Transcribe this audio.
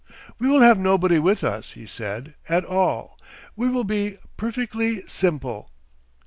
'We will have nobody with us,' he said, 'at all. We will be perfectly simple.